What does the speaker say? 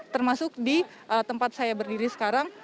termasuk di tempat saya berdiri sekarang